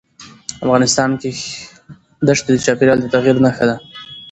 افغانستان کې ښتې د چاپېریال د تغیر نښه ده.